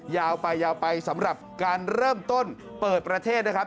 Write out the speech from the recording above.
ยาวไปยาวไปสำหรับการเริ่มต้นเปิดประเทศนะครับ